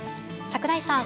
櫻井さん。